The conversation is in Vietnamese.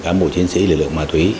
cán bộ chiến sĩ lực lượng ma túy